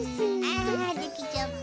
ああできちゃった。